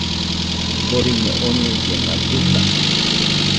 Boriño oñellena, llutaka